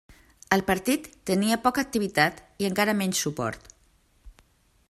El partit tenia poca activitat i encara menys suport.